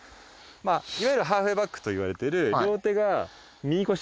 いわゆるハーフウェイバックといわれてる両手が右腰。